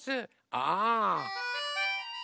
ああ。